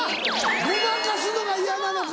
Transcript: ごまかすのが嫌なのか！